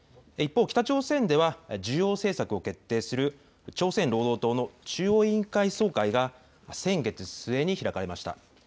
一方、北朝鮮では重要政策を決定する朝鮮労働党の中央委員会総会が先月末に開かれました。